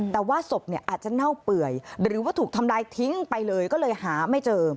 แต่ว่าศพเนี่ยอาจจะเน่าเปื่อยหรือว่าถูกทำลายทิ้งไปเลยก็เลยหาไม่เจอ